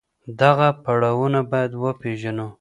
دغه پړاوونه بايد وپېژنو.